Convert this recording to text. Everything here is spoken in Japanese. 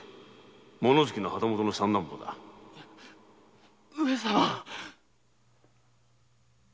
物好きな旗本の三男坊だ〕上様！